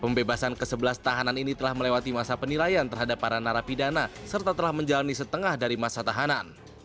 pembebasan ke sebelas tahanan ini telah melewati masa penilaian terhadap para narapidana serta telah menjalani setengah dari masa tahanan